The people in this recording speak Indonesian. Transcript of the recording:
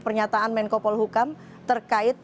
pernyataan menko polhukam terkait